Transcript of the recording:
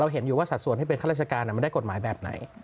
เห็นอยู่ว่าสัดส่วนที่เป็นข้าราชการมันได้กฎหมายแบบไหน